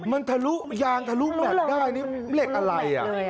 มันทะลุยางทะลุแม็กซ์ได้นี่เหล็กอะไร